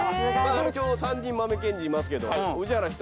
今日３人豆賢人いますけど。